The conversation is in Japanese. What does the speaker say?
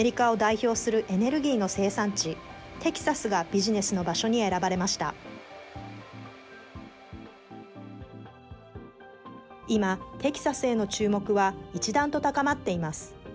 今、テキサスへの注目は一段と高まっています。